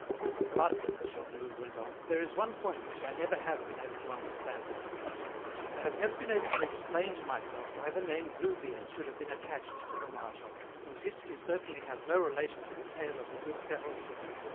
"But," Chantelouve went on, "there is one point which I never have been able to understand. I have never been able to explain to myself why the name Bluebeard should have been attached to the Marshal, whose history certainly has no relation to the tale of the good Perrault."